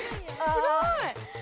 すごい！